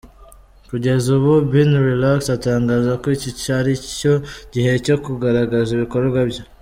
Kugeza ubu, Bin relax atangaza ko iki aricyo gihe cyo kugaragaza ibikorwa bye.